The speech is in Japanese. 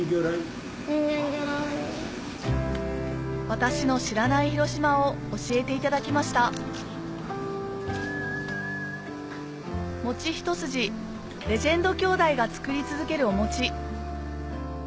私の知らない広島を教えていただきました餅一筋レジェンド兄弟が作り続けるお餅